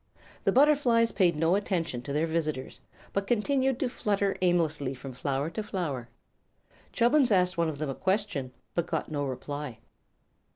The butterflies paid no attention to their visitors, but continued to flutter aimlessly from flower to flower. Chubbins asked one of them a question, but got no reply.